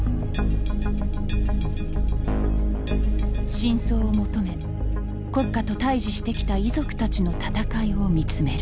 真相を求め国家と対峙してきた遺族たちの闘いを見つめる。